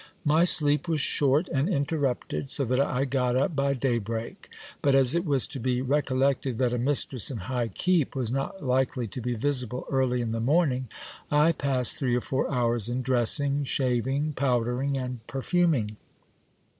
My sleep was short and interrupted ; so that I got up by daybreak. But as it was to be recollected that a mistress in high keep was not likely to be visible early in the morning, I passed three or four hours in dressing, shaving, powder ing, and perfuming.